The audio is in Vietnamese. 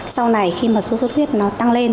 sau này khi mà sốt xuất huyết nó tăng lên